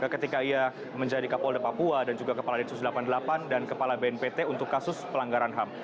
ketika ia menjadi kapolda papua dan juga kepala densus delapan puluh delapan dan kepala bnpt untuk kasus pelanggaran ham